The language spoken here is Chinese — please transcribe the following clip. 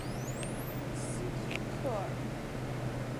斯滕克尔。